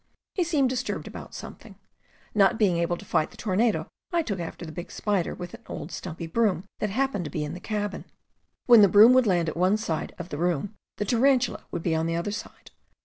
He seemed disturbed about something. Not being able to fight the tornado, I took after the big spider with an old stumpy broom that happened to be in the cabin. When the broom would land at one side of the room, the tarantula would be on the other side.